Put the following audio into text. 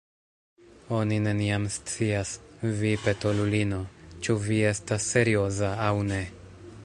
Oni neniam scias, vi petolulino, ĉu vi estas serioza aŭ ne.